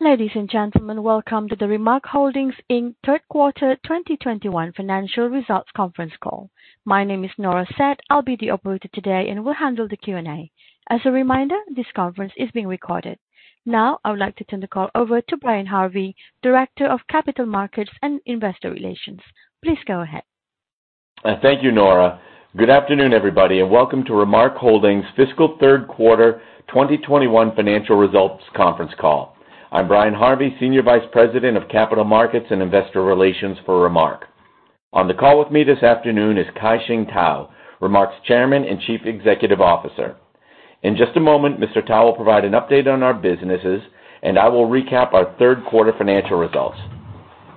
Ladies and gentlemen, welcome to the Remark Holdings, Inc. Third Quarter 2021 Financial Results Conference Call. My name is Nora Set. I'll be the operator today and will handle the Q&A. As a reminder, this conference is being recorded. Now, I would like to turn the call over to Brian Harvey, Director of Capital Markets and Investor Relations. Please go ahead. Thank you, Nora. Good afternoon, everybody, and welcome to Remark Holdings Fiscal Third Quarter 2021 Financial Results Conference Call. I'm Brian Harvey, Senior Vice President of Capital Markets and Investor Relations for Remark. On the call with me this afternoon is Kai-Shing Tao, Remark's Chairman and Chief Executive Officer. In just a moment, Mr. Tao will provide an update on our businesses, and I will recap our third quarter financial results.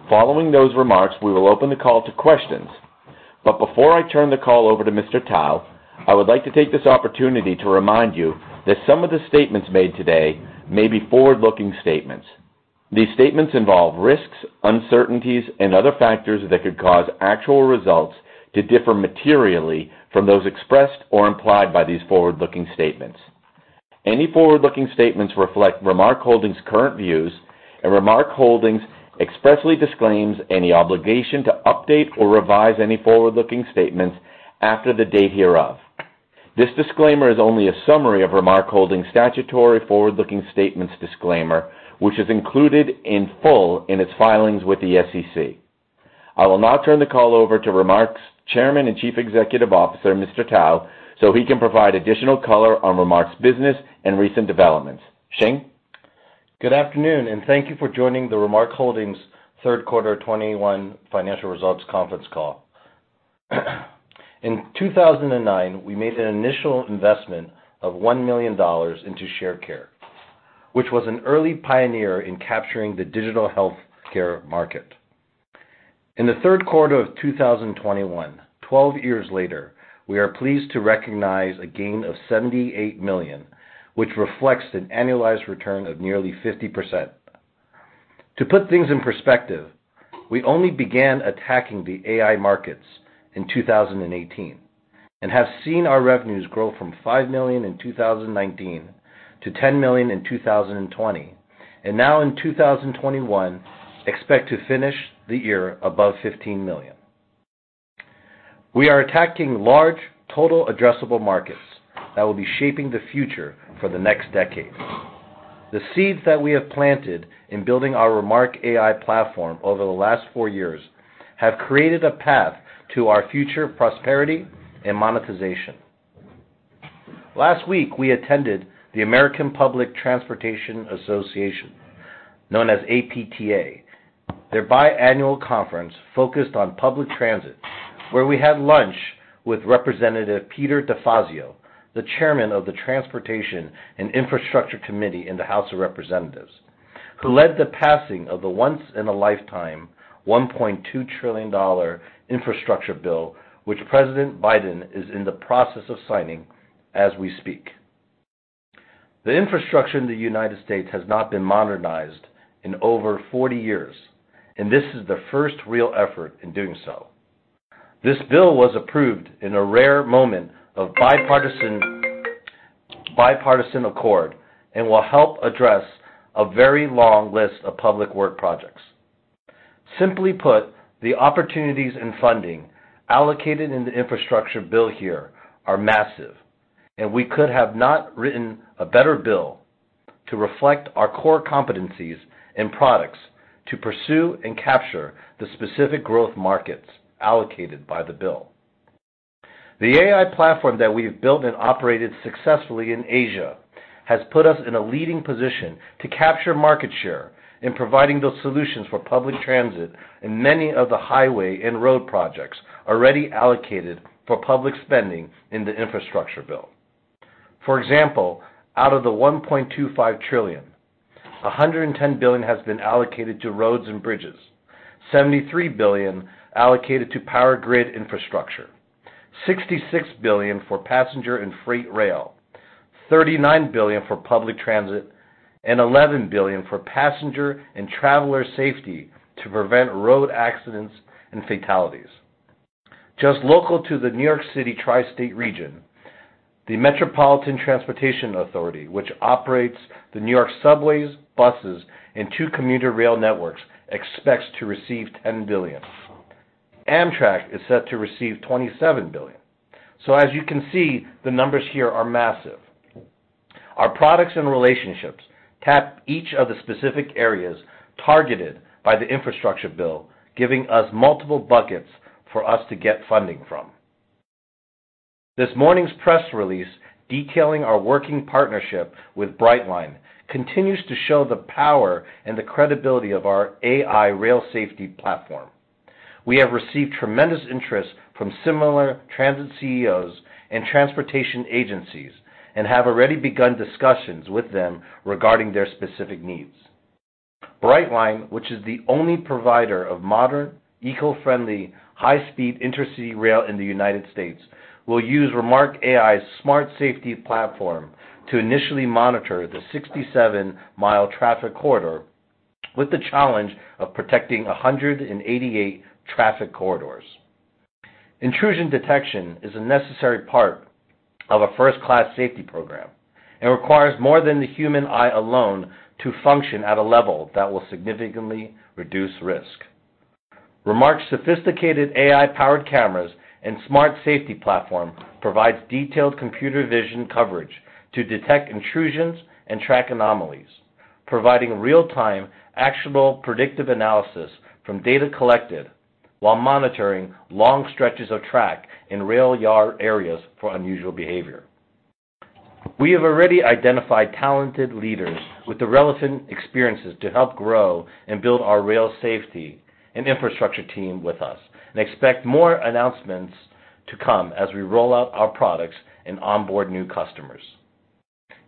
Following those remarks, we will open the call to questions. Before I turn the call over to Mr. Tao, I would like to take this opportunity to remind you that some of the statements made today may be forward-looking statements. These statements involve risks, uncertainties, and other factors that could cause actual results to differ materially from those expressed or implied by these forward-looking statements. Any forward-looking statements reflect Remark Holdings' current views, and Remark Holdings expressly disclaims any obligation to update or revise any forward-looking statements after the date hereof. This disclaimer is only a summary of Remark Holdings' statutory forward-looking statements disclaimer, which is included in full in its filings with the SEC. I will now turn the call over to Remark's Chairman and Chief Executive Officer, Mr. Tao, so he can provide additional color on Remark's business and recent developments. Shing? Good afternoon, and thank you for joining the Remark Holdings third quarter 2021 financial results conference call. In 2009, we made an initial investment of $1 million into Sharecare, which was an early pioneer in capturing the digital healthcare market. In the third quarter of 2021, 12 years later, we are pleased to recognize a gain of $78 million, which reflects an annualized return of nearly 50%. To put things in perspective, we only began attacking the AI markets in 2018 and have seen our revenues grow from $5 million in 2019 to $10 million in 2020, and now in 2021, expect to finish the year above $15 million. We are attacking large total addressable markets that will be shaping the future for the next decade. The seeds that we have planted in building our Remark AI platform over the last four years have created a path to our future prosperity and monetization. Last week, we attended the American Public Transportation Association, known as APTA, their biannual conference focused on public transit, where we had lunch with Representative Peter DeFazio, the chairman of the Transportation and Infrastructure Committee in the House of Representatives, who led the passing of the once-in-a-lifetime $1.2 trillion infrastructure bill, which President Biden is in the process of signing as we speak. The infrastructure in the United States has not been modernized in over 40 years, and this is the first real effort in doing so. This bill was approved in a rare moment of bipartisan accord and will help address a very long list of public work projects. Simply put, the opportunities and funding allocated in the infrastructure bill here are massive, and we could have not written a better bill to reflect our core competencies and products to pursue and capture the specific growth markets allocated by the bill. The AI platform that we've built and operated successfully in Asia has put us in a leading position to capture market share in providing those solutions for public transit and many of the highway and road projects already allocated for public spending in the infrastructure bill. For example, out of the $1.25 trillion, $110 billion has been allocated to roads and bridges, $73 billion allocated to power grid infrastructure, $66 billion for passenger and freight rail, $39 billion for public transit, and $11 billion for passenger and traveler safety to prevent road accidents and fatalities. Just local to the New York City Tri-State region, the Metropolitan Transportation Authority, which operates the New York subways, buses, and two commuter rail networks, expects to receive $10 billion. Amtrak is set to receive $27 billion. As you can see, the numbers here are massive. Our products and relationships tap each of the specific areas targeted by the infrastructure bill, giving us multiple buckets for us to get funding from. This morning's press release detailing our working partnership with Brightline continues to show the power and the credibility of our AI rail safety platform. We have received tremendous interest from similar transit CEOs and transportation agencies and have already begun discussions with them regarding their specific needs. Brightline, which is the only provider of modern, eco-friendly, high-speed intercity rail in the United States, will use Remark AI Smart Safety Platform to initially monitor the 67-mile traffic corridor with the challenge of protecting 188 traffic corridors. Intrusion detection is a necessary part of a first-class safety program and requires more than the human eye alone to function at a level that will significantly reduce risk. Remark's sophisticated AI-powered cameras and smart safety platform provides detailed computer vision coverage to detect intrusions and track anomalies, providing real-time actionable predictive analysis from data collected while monitoring long stretches of track in rail yard areas for unusual behavior. We have already identified talented leaders with the relevant experiences to help grow and build our rail safety and infrastructure team with us, and expect more announcements to come as we roll out our products and onboard new customers.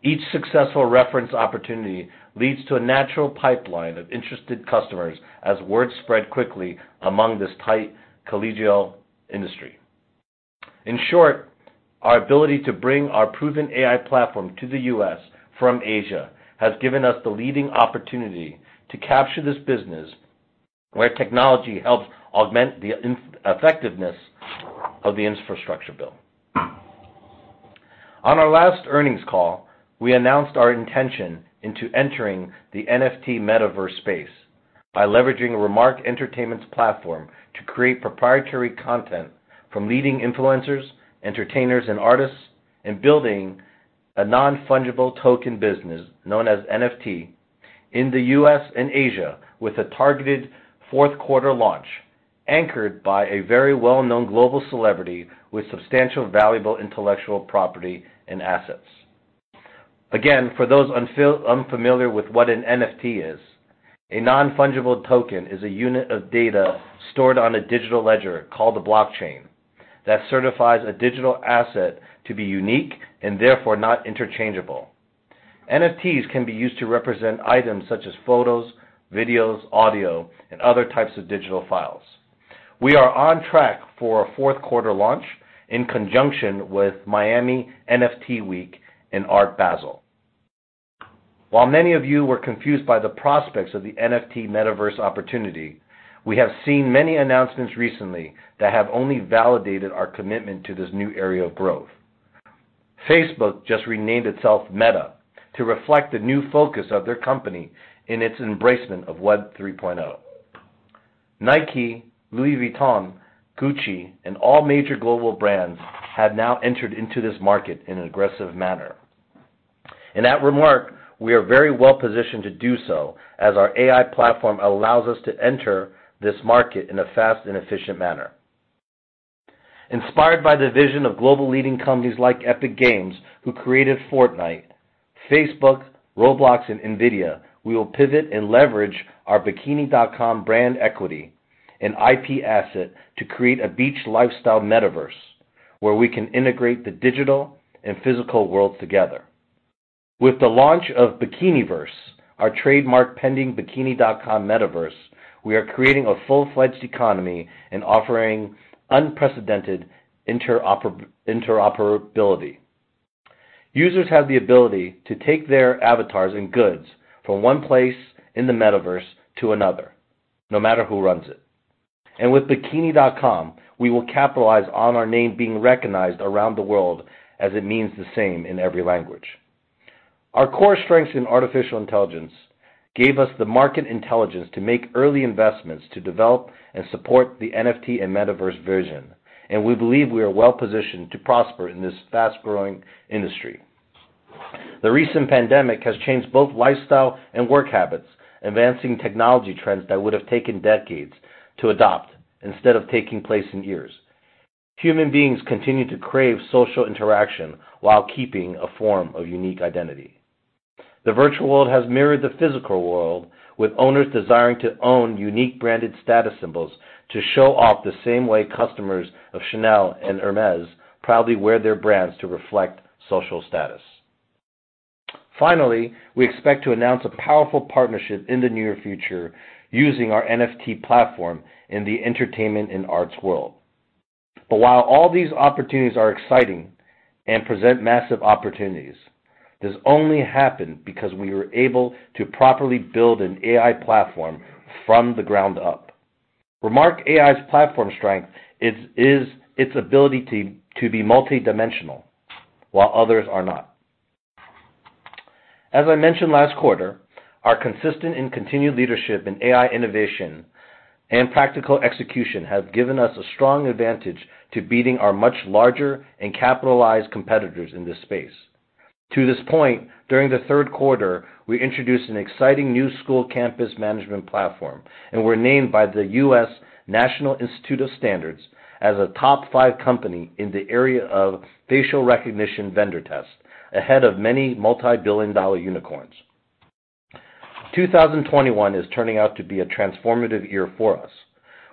Each successful reference opportunity leads to a natural pipeline of interested customers as word spread quickly among this tight collegial industry. In short, our ability to bring our proven AI platform to the U.S. from Asia has given us the leading opportunity to capture this business where technology helps augment the effectiveness of the infrastructure bill. On our last earnings call, we announced our intention to enter the NFT metaverse space by leveraging Remark Entertainment's platform to create proprietary content from leading influencers, entertainers, and artists in building a non-fungible token business known as NFT in the U.S. and Asia with a targeted fourth quarter launch anchored by a very well-known global celebrity with substantial valuable intellectual property and assets. Again, for those unfamiliar with what an NFT is, a non-fungible token is a unit of data stored on a digital ledger called a blockchain that certifies a digital asset to be unique and therefore not interchangeable. NFTs can be used to represent items such as photos, videos, audio, and other types of digital files. We are on track for a fourth quarter launch in conjunction with Miami NFT Week and Art Basel. While many of you were confused by the prospects of the NFT metaverse opportunity, we have seen many announcements recently that have only validated our commitment to this new area of growth. Facebook just renamed itself Meta to reflect the new focus of their company in its embracement of Web 3.0. Nike, Louis Vuitton, Gucci, and all major global brands have now entered into this market in an aggressive manner. At Remark, we are very well positioned to do so as our AI platform allows us to enter this market in a fast and efficient manner. Inspired by the vision of global leading companies like Epic Games, who created Fortnite, Facebook, Roblox, and NVIDIA, we will pivot and leverage our bikini.com brand equity and IP asset to create a beach lifestyle metaverse where we can integrate the digital and physical world together. With the launch of Bikiniverse, our trademark pending bikini.com metaverse, we are creating a full-fledged economy and offering unprecedented interoperability. Users have the ability to take their avatars and goods from one place in the metaverse to another, no matter who runs it. With bikini.com, we will capitalize on our name being recognized around the world as it means the same in every language. Our core strengths in artificial intelligence gave us the market intelligence to make early investments to develop and support the NFT and metaverse vision, and we believe we are well-positioned to prosper in this fast-growing industry. The recent pandemic has changed both lifestyle and work habits, advancing technology trends that would have taken decades to adopt instead of taking place in years. Human beings continue to crave social interaction while keeping a form of unique identity. The virtual world has mirrored the physical world, with owners desiring to own unique branded status symbols to show off the same way customers of Chanel and Hermès proudly wear their brands to reflect social status. Finally, we expect to announce a powerful partnership in the near future using our NFT platform in the entertainment and arts world. While all these opportunities are exciting and present massive opportunities, this only happened because we were able to properly build an AI platform from the ground up. Remark AI's platform strength is its ability to be multidimensional while others are not. As I mentioned last quarter, our consistent and continued leadership in AI innovation and practical execution has given us a strong advantage to beating our much larger and capitalized competitors in this space. To this point, during the third quarter, we introduced an exciting new school campus management platform and were named by the U.S. National Institute of Standards and Technology as a top five company in the area of Facial Recognition Vendor Test, ahead of many multi-billion-dollar unicorns. 2021 is turning out to be a transformative year for us.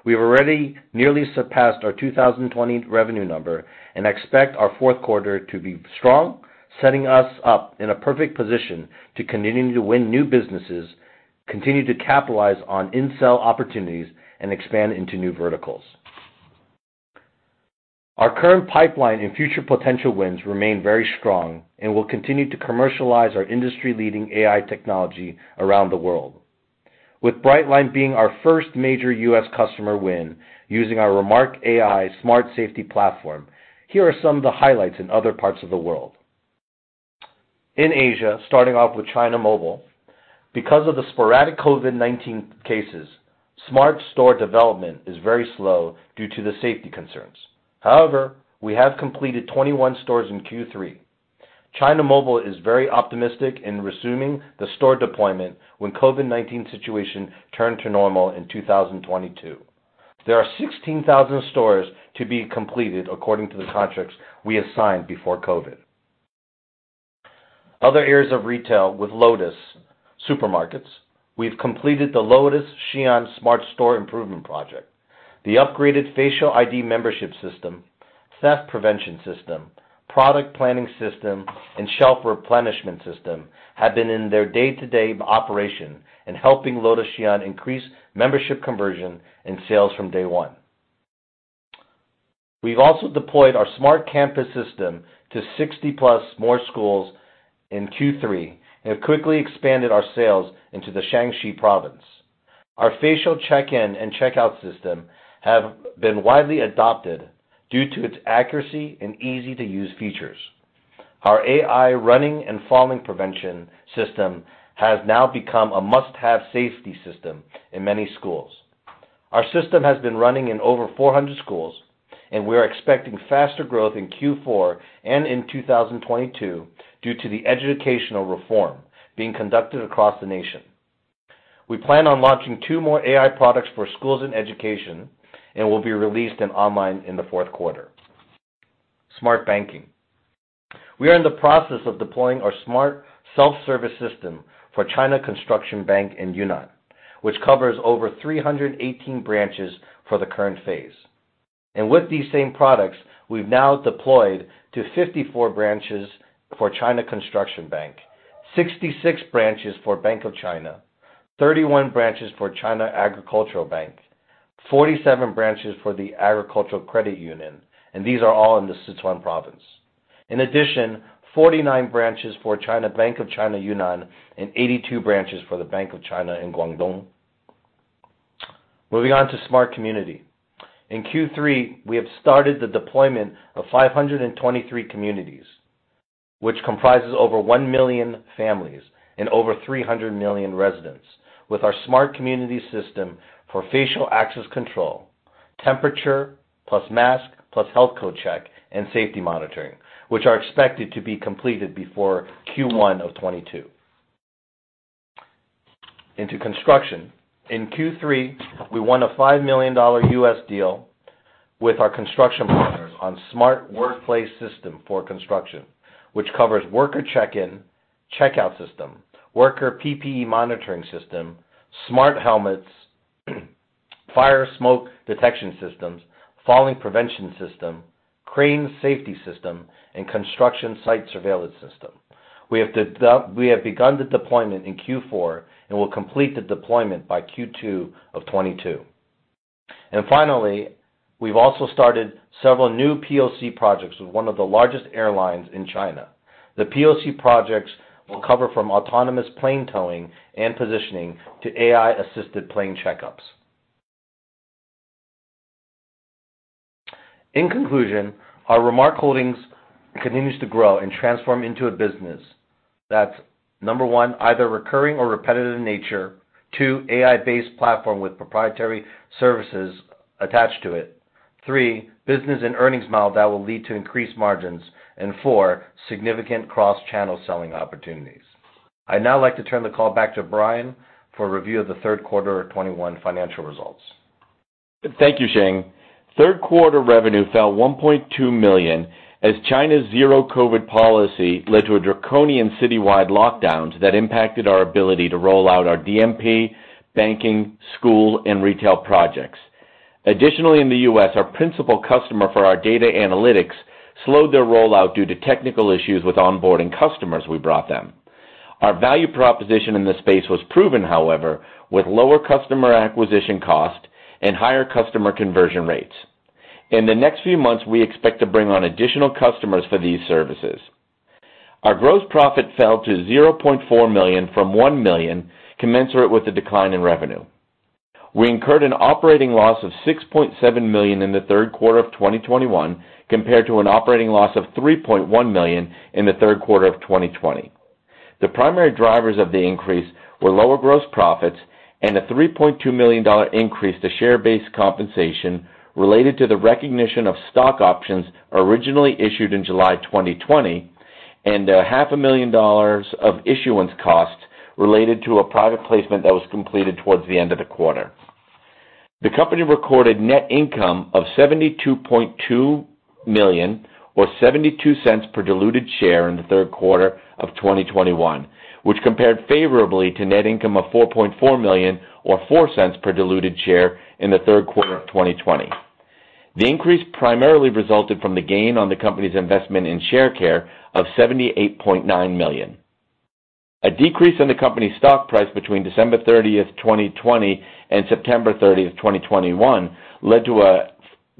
We've already nearly surpassed our 2020 revenue number and expect our fourth quarter to be strong, setting us up in a perfect position to continue to win new businesses, continue to capitalize on in-sell opportunities, and expand into new verticals. Our current pipeline and future potential wins remain very strong and will continue to commercialize our industry-leading AI technology around the world. With Brightline being our first major U.S. customer win using our Remark AI Smart Safety Platform, here are some of the highlights in other parts of the world. In Asia, starting off with China Mobile. Because of the sporadic COVID-19 cases, smart store development is very slow due to the safety concerns. However, we have completed 21 stores in Q3. China Mobile is very optimistic in resuming the store deployment when COVID-19 situation turn to normal in 2022. There are 16,000 stores to be completed according to the contracts we have signed before COVID. Other areas of retail with Lotus Supermarket, we've completed the Lotus Xi'an smart store improvement project. The upgraded facial ID membership system, theft prevention system, product planning system, and shelf replenishment system have been in their day-to-day operation in helping Lotus Xi'an increase membership conversion and sales from day one. We've also deployed our smart campus system to 60+ more schools in Q3 and have quickly expanded our sales into the Shaanxi province. Our facial check-in and check-out system have been widely adopted due to its accuracy and easy-to-use features. Our AI running and falling prevention system has now become a must-have safety system in many schools. Our system has been running in over 400 schools, and we are expecting faster growth in Q4 and in 2022 due to the educational reform being conducted across the nation. We plan on launching two more AI products for schools and education and will be released online in the fourth quarter. Smart banking. We are in the process of deploying our smart self-service system for China Construction Bank in Yunnan, which covers over 318 branches for the current phase. With these same products, we've now deployed to 54 branches for China Construction Bank, 66 branches for Bank of China, 31 branches for Agricultural Bank of China, 47 branches for the Rural Credit Cooperative, and these are all in the Sichuan province. In addition, 49 branches for Bank of China, Yunnan Branch, and 82 branches for the Bank of China in Guangdong. Moving on to smart community. In Q3, we have started the deployment of 523 communities, which comprises over 1 million families and over 300 million residents with our smart community system for facial access control, temperature plus mask plus health code check, and safety monitoring, which are expected to be completed before Q1 2022. Into construction. In Q3, we won a $5 million U.S. deal with our construction partners on smart workplace system for construction, which covers worker check-in, check-out system, worker PPE monitoring system, smart helmets, fire smoke detection systems, falling prevention system, crane safety system, and construction site surveillance system. We have begun the deployment in Q4 and will complete the deployment by Q2 2022. Finally, we've also started several new POC projects with one of the largest airlines in China. The POC projects will cover from autonomous plane towing and positioning to AI-assisted plane checkups. In conclusion, our Remark Holdings continues to grow and transform into a business that's, number one, either recurring or repetitive in nature. Two, AI-based platform with proprietary services attached to it. Three, business and earnings model that will lead to increased margins. Four, significant cross-channel selling opportunities. I'd now like to turn the call back to Brian for a review of the third quarter of 2021 financial results. Thank you, Shing. Third quarter revenue fell $1.2 million as China's zero COVID policy led to draconian citywide lockdowns that impacted our ability to roll out our DMP, banking, school, and retail projects. Additionally, in the U.S., our principal customer for our data analytics slowed their rollout due to technical issues with onboarding customers we brought them. Our value proposition in this space was proven, however, with lower customer acquisition cost and higher customer conversion rates. In the next few months, we expect to bring on additional customers for these services. Our gross profit fell to $0.4 million from $1 million commensurate with the decline in revenue. We incurred an operating loss of $6.7 million in the third quarter of 2021 compared to an operating loss of $3.1 million in the third quarter of 2020. The primary drivers of the increase were lower gross profits and a $3.2 million increase to share-based compensation related to the recognition of stock options originally issued in July 2020 and a $0.5 million of issuance costs related to a private placement that was completed towards the end of the quarter. The company recorded net income of $72.2 million or $0.72 per diluted share in the third quarter of 2021, which compared favorably to net income of $4.4 million or $0.04 per diluted share in the third quarter of 2020. The increase primarily resulted from the gain on the company's investment in Sharecare of $78.9 million. A decrease in the company's stock price between December 30th, 2020 and September 30th, 2021 led to a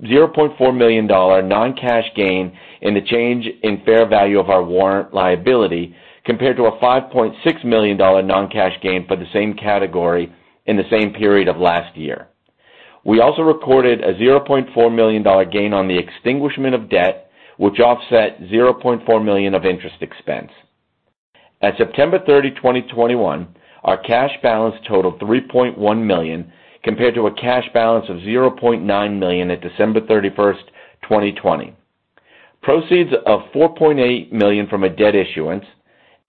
$0.4 million non-cash gain in the change in fair value of our warrant liability compared to a $5.6 million non-cash gain for the same category in the same period of last year. We also recorded a $0.4 million gain on the extinguishment of debt, which offset $0.4 million of interest expense. At September 30, 2021, our cash balance totaled $3.1 million compared to a cash balance of $0.9 million at December 31st, 2020. Proceeds of $4.8 million from a debt issuance,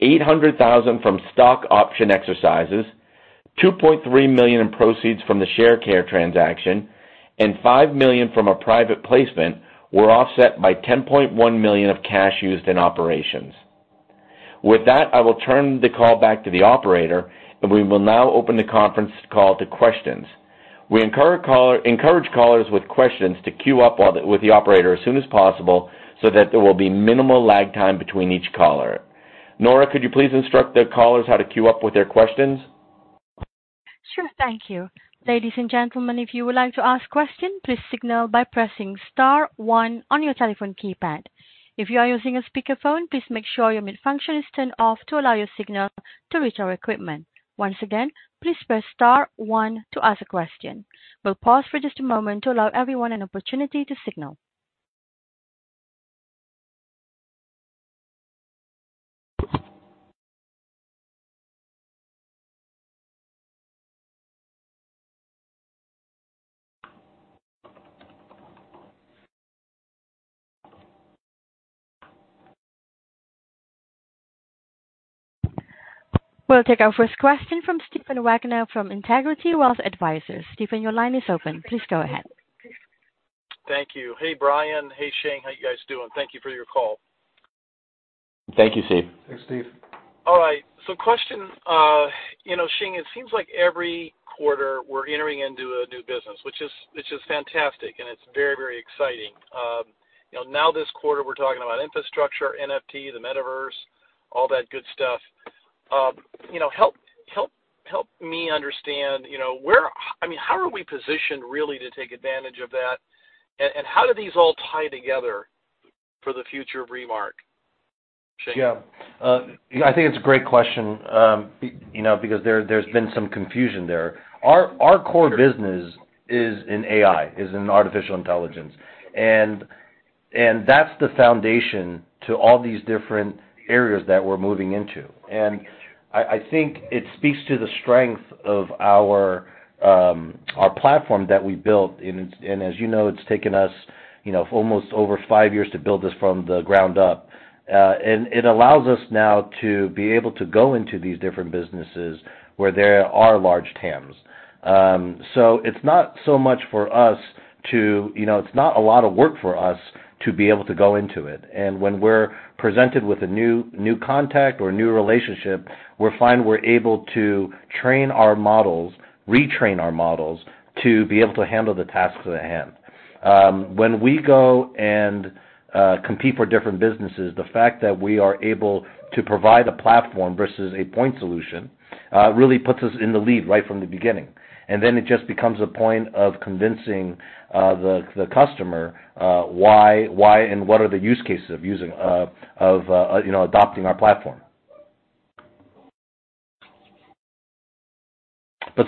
$800,000 from stock option exercises, $2.3 million in proceeds from the Sharecare transaction, and $5 million from a private placement were offset by $10.1 million of cash used in operations. With that, I will turn the call back to the operator, and we will now open the conference call to questions. We encourage callers with questions to queue up with the operator as soon as possible so that there will be minimal lag time between each caller. Nora, could you please instruct the callers how to queue up with their questions? Sure. Thank you. Ladies and gentlemen, if you would like to ask questions, please signal by pressing star one on your telephone keypad. If you are using a speakerphone, please make sure your mute function is turned off to allow your signal to reach our equipment. Once again, please press star one to ask a question. We'll pause for just a moment to allow everyone an opportunity to signal. We'll take our first question from Stephen Wagner from Integrity Wealth Advisors. Steven, your line is open. Please go ahead. Thank you. Hey, Brian. Hey, Shing. How you guys doing? Thank you for your call. Thank you, Steve. Thanks, Steve. All right. Question, you know, Shing, it seems like every quarter we're entering into a new business, which is fantastic, and it's very exciting. You know, now this quarter, we're talking about infrastructure, NFT, the Metaverse, all that good stuff. You know, help me understand how are we positioned really to take advantage of that. And how do these all tie together for the future of Remark, Shing? I think it's a great question, you know, because there's been some confusion there. Our core business is in AI, in artificial intelligence. That's the foundation to all these different areas that we're moving into. I think it speaks to the strength of our platform that we built. As you know, it's taken us, you know, almost over five years to build this from the ground up. It allows us now to be able to go into these different businesses where there are large TAMs. It's not so much for us to, you know, it's not a lot of work for us to be able to go into it. When we're presented with a new contact or a new relationship, we find we're able to train our models, retrain our models to be able to handle the tasks at hand. When we go and compete for different businesses, the fact that we are able to provide a platform versus a point solution really puts us in the lead right from the beginning. Then it just becomes a point of convincing the customer why and what are the use cases of using you know adopting our platform. But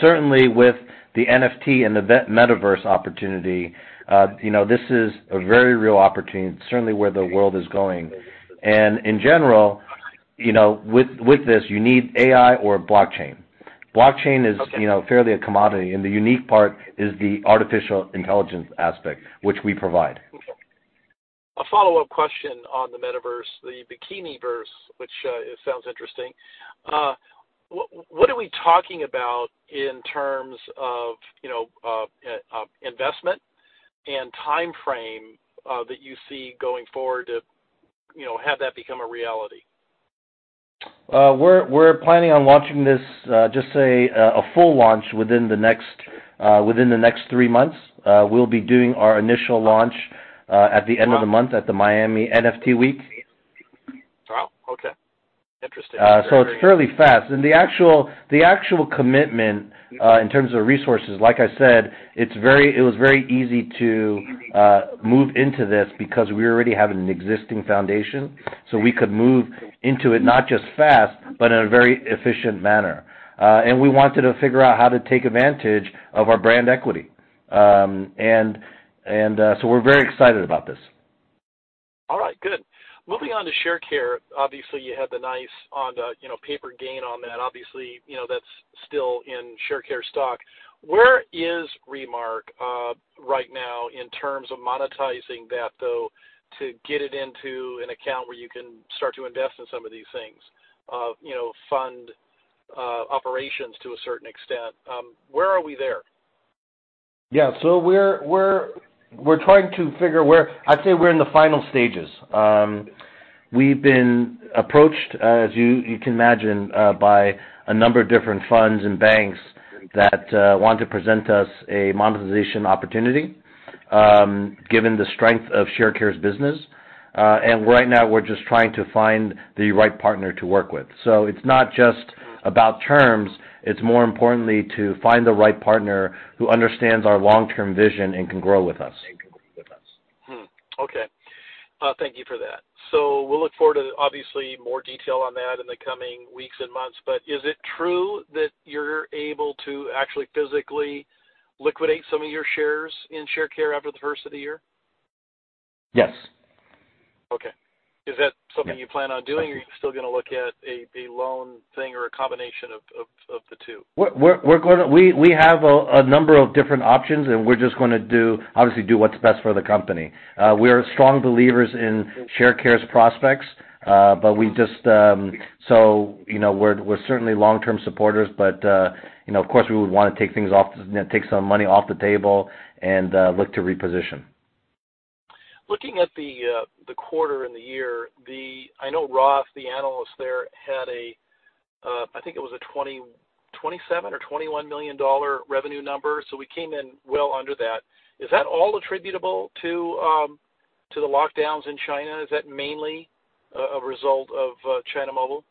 certainly with the NFT and the metaverse opportunity, you know, this is a very real opportunity, certainly where the world is going. In general, you know, with this, you need AI or blockchain. Blockchain is, you know, fairly a commodity, and the unique part is the artificial intelligence aspect, which we provide. Okay. A follow-up question on the Metaverse, the Bikiniverse, which it sounds interesting. What are we talking about in terms of, you know, of, investment and timeframe, that you see going forward to, you know, have that become a reality? We're planning on launching this, just say, a full launch within the next three months. We'll be doing our initial launch at the end of the month at the Miami NFT Week. Wow. Okay. Interesting. Very interesting. It's fairly fast. The actual commitment in terms of resources, like I said, it was very easy to move into this because we already have an existing foundation. We could move into it not just fast, but in a very efficient manner. We wanted to figure out how to take advantage of our brand equity. We're very excited about this. All right. Good. Moving on to Sharecare, obviously, you had a nice paper gain on that. Obviously, you know, that's still in Sharecare stock. Where is Remark right now in terms of monetizing that, though, to get it into an account where you can start to invest in some of these things, you know, fund operations to a certain extent? Where are we there? Yeah. We're trying to figure where I'd say we're in the final stages. We've been approached, as you can imagine, by a number of different funds and banks that want to present us a monetization opportunity, given the strength of Sharecare's business. Right now we're just trying to find the right partner to work with. It's not just about terms, it's more importantly to find the right partner who understands our long-term vision and can grow with us. Thank you for that. We'll look forward to, obviously, more detail on that in the coming weeks and months. Is it true that you're able to actually physically liquidate some of your shares in Sharecare after the first of the year? Yes. Okay. Is that something you plan on doing or are you still gonna look at a loan thing or a combination of the two? We have a number of different options, and we're just gonna do, obviously, what's best for the company. We're strong believers in Sharecare's prospects, but we just, you know, we're certainly long-term supporters, but, you know, of course, we would wanna take things off, you know, take some money off the table and look to reposition. Looking at the quarter and the year, I know Ross, the analyst there, had, I think it was a $27 million or $21 million revenue number, so we came in well under that. Is that all attributable to the lockdowns in China? Is that mainly a result of China Mobile?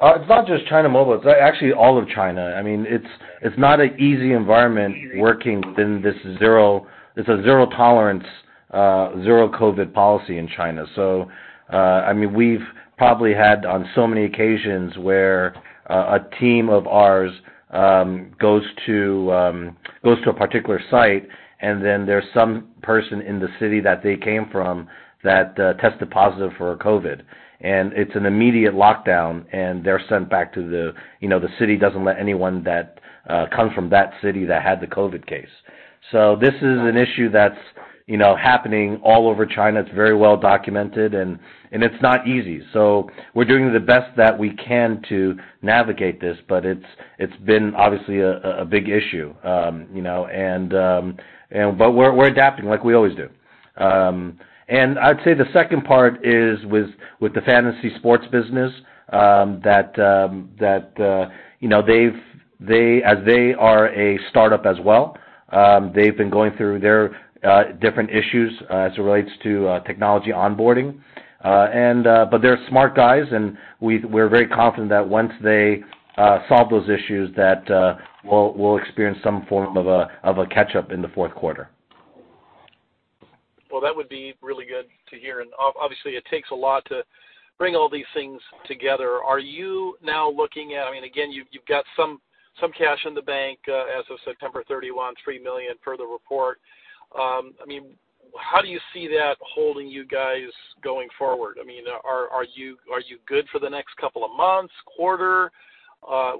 It's not just China Mobile. It's actually all of China. I mean, it's not an easy environment working within this zero-tolerance zero COVID policy in China. I mean, we've probably had, on so many occasions, where a team of ours goes to a particular site, and then there's some person in the city that they came from that tested positive for COVID. It's an immediate lockdown, and they're sent back to the city. You know, the city doesn't let anyone that come from that city that had the COVID case. This is an issue that's, you know, happening all over China. It's very well documented, and it's not easy. We're doing the best that we can to navigate this, but it's been obviously a big issue. You know, we're adapting like we always do. I'd say the second part is with the fantasy sports business that, as they are a startup as well, they've been going through their different issues as it relates to technology onboarding. They're smart guys, and we're very confident that once they solve those issues, we'll experience some form of a catch-up in the fourth quarter. Well, that would be really good to hear. Obviously, it takes a lot to bring all these things together. Are you now looking at? I mean, again, you've got some cash in the bank, as of September 31, $3 million per the report. I mean, how do you see that holding you guys going forward? I mean, are you good for the next couple of months, quarter?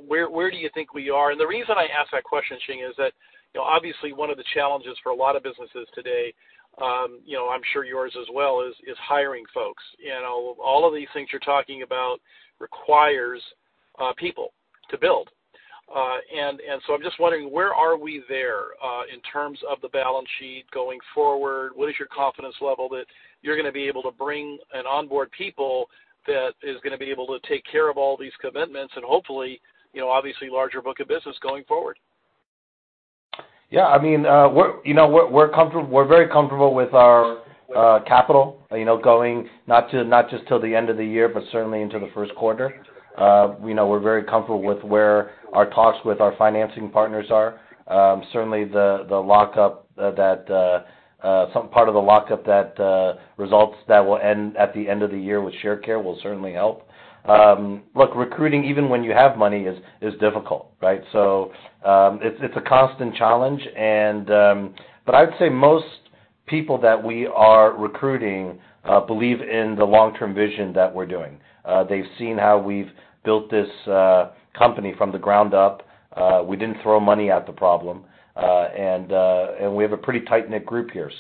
Where do you think we are? The reason I ask that question, Shing, is that, you know, obviously, one of the challenges for a lot of businesses today, you know, I'm sure yours as well is hiring folks. You know, all of these things you're talking about requires people to build. I'm just wondering, where are we there, in terms of the balance sheet going forward? What is your confidence level that you're gonna be able to bring and onboard people that is gonna be able to take care of all these commitments and hopefully, you know, obviously, larger book of business going forward? Yeah. I mean, we're very comfortable with our capital, you know, going not just till the end of the year, but certainly into the first quarter. You know, we're very comfortable with where our talks with our financing partners are. Certainly the lockup that some part of the lockup that will end at the end of the year with Sharecare will certainly help. Look, recruiting, even when you have money, is difficult, right? It's a constant challenge and I'd say most people that we are recruiting believe in the long-term vision that we're doing. They've seen how we've built this company from the ground up. We didn't throw money at the problem. We have a pretty tight-knit group here.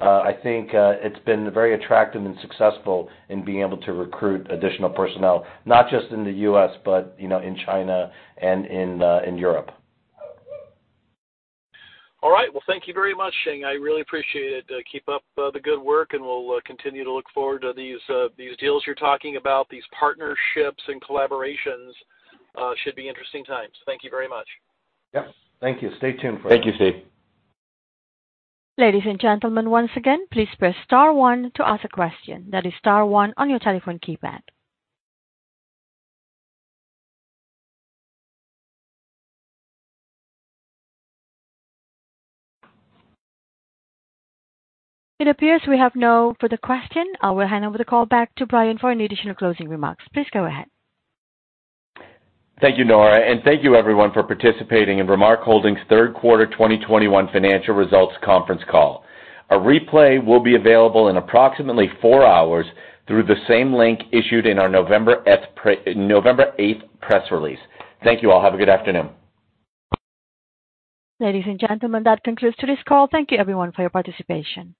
I think it's been very attractive and successful in being able to recruit additional personnel, not just in the U.S., but you know in China and in Europe. All right. Well, thank you very much, Shing. I really appreciate it. Keep up the good work, and we'll continue to look forward to these deals you're talking about. These partnerships and collaborations should be interesting times. Thank you very much. Yep. Thank you. Stay tuned for Thank you, Steve. Ladies and gentlemen, once again, please press star one to ask a question. That is star one on your telephone keypad. It appears we have no further question. I will hand over the call back to Brian for any additional closing remarks. Please go ahead. Thank you, Nora, and thank you everyone for participating in Remark Holdings' third quarter 2021 financial results conference call. A replay will be available in approximately four hours through the same link issued in our November eighth press release. Thank you all. Have a good afternoon. Ladies and gentlemen, that concludes today's call. Thank you everyone for your participation.